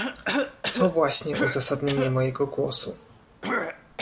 To właśnie uzasadnienie mojego głosu